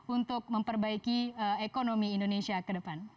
untuk memperbaiki ekonomi indonesia ke depan